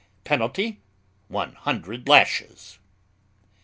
PENALTY ONE HUNDRED LASHES.